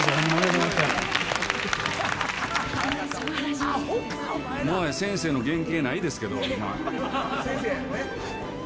もはや先生の原形ないですけど。